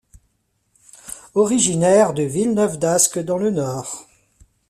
Originaire de Villeneuve-d'Ascq dans le Nord.